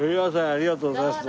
ありがとうございます。